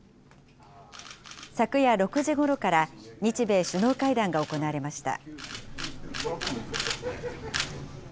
昨夜６時ごろから日米首脳会談が行われました。